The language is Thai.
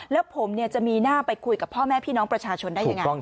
แล้วผมจะมีหน้าไปคุยกับพ่อแม่พี่น้องประชาชนได้ยังไง